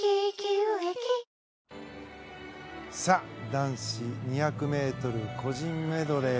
男子２００ｍ個人メドレー